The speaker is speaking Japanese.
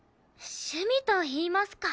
趣味といいますか。